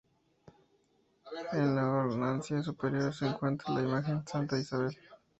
En la hornacina superior se encuentra la imagen de Santa Isabel.